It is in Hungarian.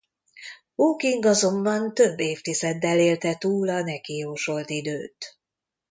Hawking azonban több évtizeddel élte túl a neki jósolt időt.